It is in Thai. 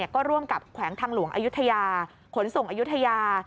ก็ร่วมกับแขวงทางหลวงอายุทยาขนส่งอายุทยา